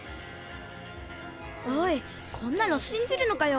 おいこんなのしんじるのかよ？